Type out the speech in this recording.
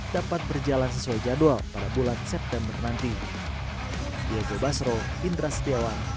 dapat berjalan sesuai jadwal pada bulan september nanti